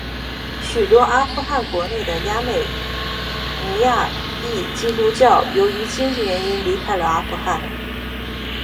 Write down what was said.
许多阿富汗国内的亚美尼亚裔基督徒由于经济原因离开了阿富汗。